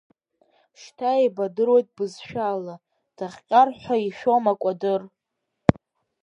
Шьҭа еибадыруеит бызшәала, дахҟьар ҳәа ишәом акәадыр.